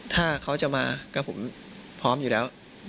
ถ้าเขาจะมากับผมพร้อมอยู่แล้ว